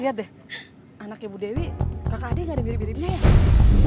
lihat deh anak ibu dewi kakak adik nggak ada mirip miripnya